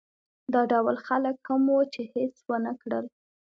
دا ډول خلک هم وو چې هېڅ ونه کړل.